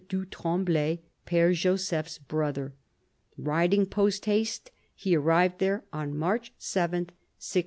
du Tremblay, Pere Joseph's brother. Riding post haste, he arrived there on March 7, 1619.